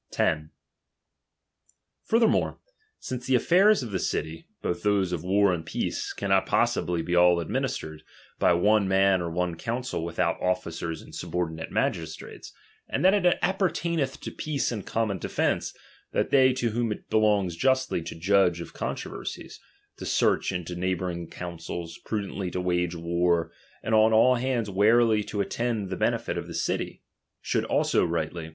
10. Furthermore, since the affairs of the city, Thatthen t>oth those of war and peace, cannot possibly be all LdXca ^ dministered by one man or one council without '™^'"''^ *ifficers and subordinate magistrates ; and that it «*.ppertaineth to peace and common defence, that they to whom it belongs justly to judge of contro versies, to search into neighbouring councils, pru dently to wage war, and on all hands warily to ■' attend the benefit of the city, should also rightly 78 DOMINION.